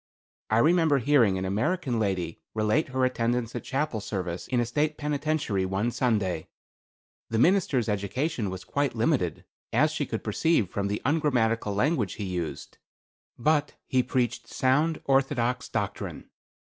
I remember hearing an American lady relate her attendance at chapel service in a State penitentiary one Sunday. The minister's education was quite limited, as she could perceive from the ungrammatical language he used, but he preached sound orthodox doctrine.